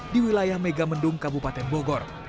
di wilayah mega mendung kabupaten bogor